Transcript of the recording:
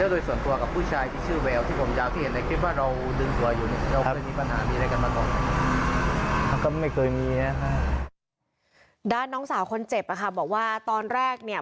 แล้วโดยส่วนตัวกับผู้ชายที่ชื่อแววที่ผมยาวที่เห็นในคลิปว่าเราดึงตัวอยู่เนี่ย